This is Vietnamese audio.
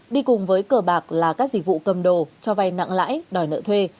đi cùng với cờ bạc là các dịch vụ cầm đồ cho vay nặng lãi đòi nợ thuê